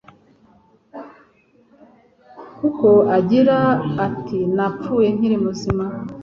kuko agira ati Napfuye nkiri muzima